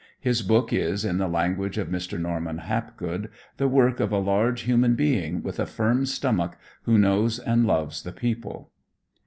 His book is, in the language of Mr. Norman Hapgood, the work of "a large human being, with a firm stomach, who knows and loves the people."